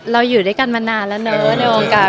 อยู่ด้วยกันมานานแล้วเนอะในวงการ